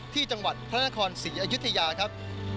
ที่จังหวัดพระนครศรีอยุธยาครับ